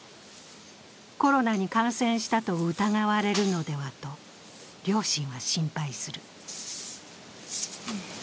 コロナに感染したと疑われるのではと両親は心配する。